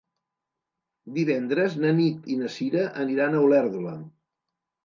Divendres na Nit i na Cira aniran a Olèrdola.